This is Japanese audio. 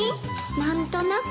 何となく。